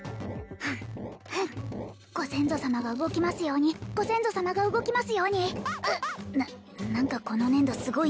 フンフンッご先祖様が動きますようにご先祖様が動きますようにうっな何かこの粘土すごい